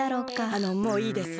あのもういいです。